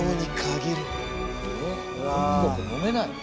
ごくごく飲めないの？